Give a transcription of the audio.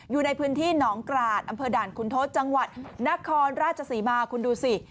อยู่ในพื้นที่หนองกราศอำเภอด่านคุณทศจังหวัดนครราชศรีมาคุณดูสิ